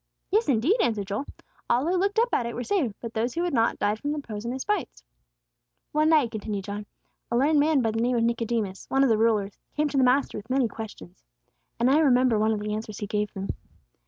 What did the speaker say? "Yes, indeed!" answered Joel. "All who looked up at it were saved; but those who would not died from the poisonous bites." "One night," continued John, "a learned man by the name of Nicodemus, one of the rulers, came to the Master with many questions. And I remember one of the answers He gave him.